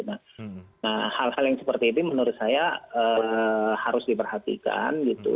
nah hal hal yang seperti ini menurut saya harus diperhatikan gitu